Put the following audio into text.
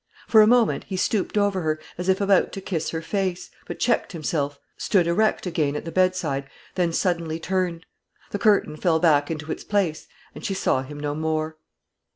For a moment he stooped over her, as if about to kiss her face, but checked himself, stood erect again at the bedside, then suddenly turned; the curtain fell back into its place, and she saw him no more.